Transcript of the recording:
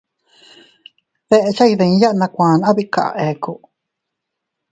Deche iydiya, nakuane abika ekku.